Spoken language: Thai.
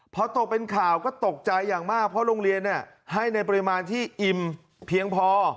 พอตกเป็นข่าวก็ตกใจอย่างมากเพราะโรงเรียนให้ในปริมาณที่อิ่มเพียงพอ